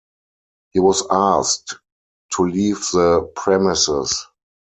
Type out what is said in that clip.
He was asked to leave the premises.